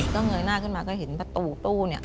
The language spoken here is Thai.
เมื่อเงินหน้าขึ้นมาก็เห็นประตูเนี่ย